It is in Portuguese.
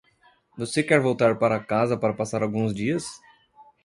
Você quer voltar para casa para passar alguns dias?